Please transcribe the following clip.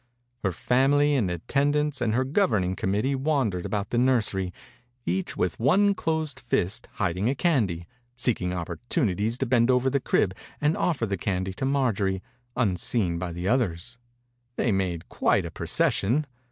Her family and attendants and her governing committee wandered about the nursery, each with one closed fist hiding a candy, seeking opportunities to bend over the crib, and offer the candy to Marjorie, unseen by the others. They made quite a procession.